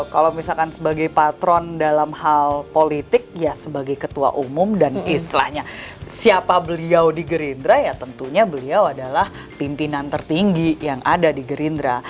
kalau misalkan sebagai patron dalam hal politik ya sebagai ketua umum dan istilahnya siapa beliau di gerindra ya tentunya beliau adalah pimpinan tertinggi yang ada di gerindra